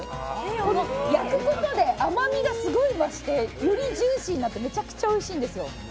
この焼くことで甘みがすごい増してよりジューシーになってめちゃくちゃおいしいんですよ。